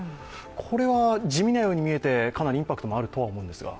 これは地味なように見えてかなりインパクトもあるように思うんですが？